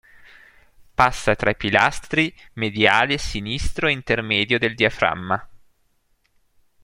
Passa tra i pilastri mediale sinistro e intermedio del diaframma.